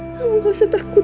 kamu nggak usah takut ya